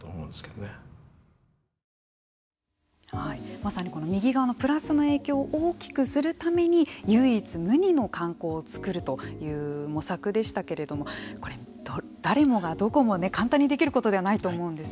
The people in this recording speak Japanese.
まさにこの右側のプラスの影響を大きくするために唯一無二の観光を作るという模索でしたけれどもこれ、誰もがどこも簡単にできることではないと思うんです。